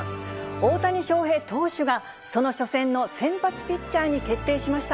大谷翔平投手が、その初戦の先発ピッチャーに決定しました。